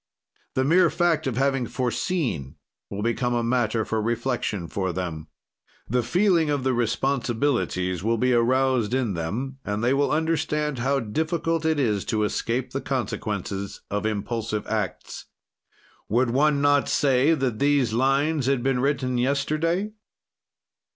"The mere fact of having foreseen will become a matter for reflection for them. "The feeling of the responsibilities will be roused in them, and they will understand how difficult it is to escape the consequences of impulsive acts." Would one not say that these lines had been written yesterday?